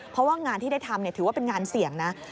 เพราะว่างานที่ได้ทำถือว่าเป็นงานเสี่ยงนะ